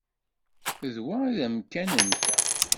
D wa ay d amkan-nteɣ.